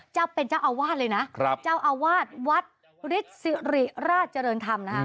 เจ้าอาวาสเป็นเจ้าอาวาสเลยนะครับเจ้าอาวาสวัดฤทธิ์สิริราชเจริญธรรมนะคะ